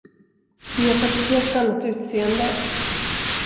Ni har fått ett helt annat utseende.